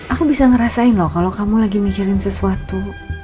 aku bisa ngerasain loh kalau kamu lagi mikirin sesuatu